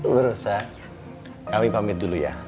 bu rosa kami pamit dulu ya